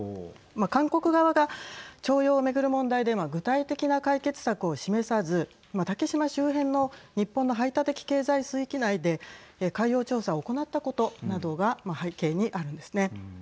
韓国側が徴用を巡る問題で具体的な解決策を示さず竹島周辺の日本の排他的経済水域内で海洋調査を行ったことなどが背景にあるんですね。